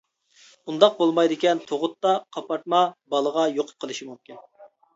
ئۇنداق بولمايدىكەن، تۇغۇتتا قاپارتما بالىغا يۇقۇپ قېلىشى مۇمكىن.